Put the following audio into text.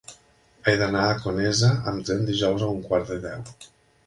He d'anar a Conesa amb tren dijous a un quart de deu.